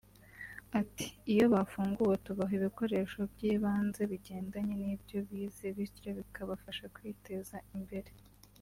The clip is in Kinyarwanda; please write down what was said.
Ati”Iyo bafunguwe tubaha ibikoresho by’ibanze bigendanye n’ibyo bize bityo bikabafasha kwiteza mbere